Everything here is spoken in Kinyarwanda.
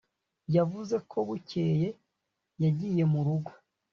Yavuze ko bukeye yagiye mu rugo